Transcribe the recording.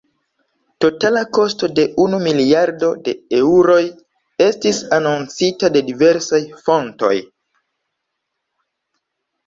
Totala kosto de unu miliardo da eŭroj estis anoncita de diversaj fontoj.